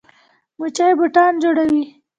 موچي بوټان جوړوي.